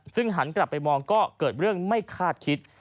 ซึ่งหันกลับไปมองก็เกิดเรื่องไม่คาดคิด